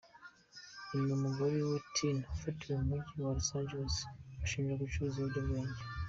I n’umugore weTiny bafatiwe mu mujyi wa Los Angeles bashinjwa gucuruza ibiyobyabwenge.